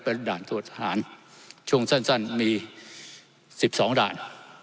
เป็นด่านตรวจทหารช่วงสั้นมี๑๒ด่าน